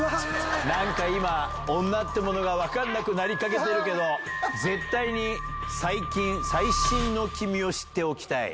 なんか今、女ってものが分かんなくなりかけてるけど、絶対に最近、最新の君を知っておきたい。